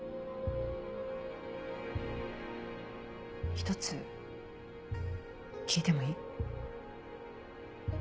１つ聞いてもいい？